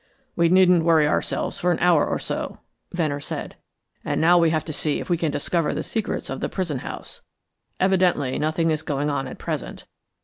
"We needn't worry ourselves for an hour or so," Venner said. "And now we have to see if we can discover the secrets of the prison house. Evidently nothing is going on at present.